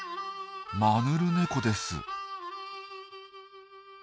マヌルネコです。